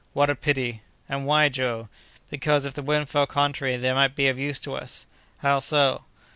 "What a pity!" "And why, Joe?" "Because, if the wind fell contrary, they might be of use to us." "How so?"